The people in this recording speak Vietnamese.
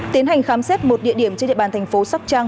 tiến hành khám xét một địa điểm trên địa bàn thành phố sóc trăng